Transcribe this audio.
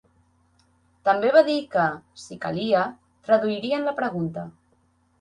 També va dir que, si calia, traduirien la pregunta.